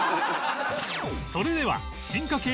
それでは進化系